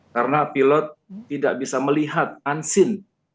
karena pilot tidak bisa melihat unseen